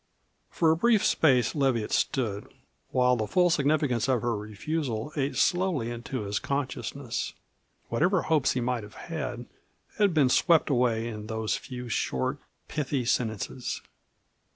For a brief space Leviatt stood, while the full significance of her refusal ate slowly into his consciousness. Whatever hopes he might have had had been swept away in those few short, pithy sentences.